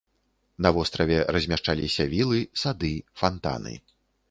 На востраве размяшчаліся вілы, сады, фантаны.